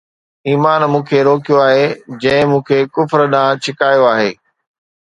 ايمان مون کي روڪيو آهي، جنهن مون کي ڪفر ڏانهن ڇڪايو آهي